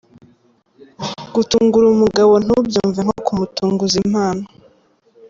Gutungura umugabo ntubyumve nko kumutunguza impano.